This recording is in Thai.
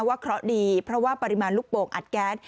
เคราะห์ดีเพราะว่าปริมาณลูกโป่งอัดแก๊ส